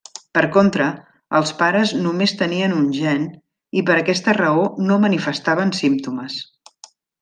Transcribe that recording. Per contra, els pares només tenien un gen i per aquesta raó no manifestaven símptomes.